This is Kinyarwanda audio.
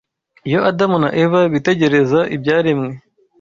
Iyo Adamu na Eva bitegerezaga ibyaremwe